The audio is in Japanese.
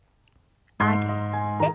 上げて。